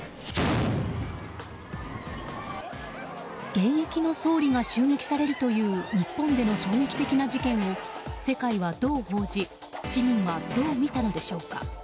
現役の総理が襲撃されるという日本での衝撃的な事件を世界はどう報じ市民はどう見たのでしょうか。